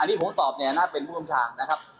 อันนี้ผมตอบเนี่ยนะเป็นผู้ทำชางนะครับ